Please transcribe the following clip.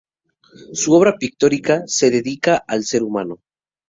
Su obra pictórica se dedica al ser humano.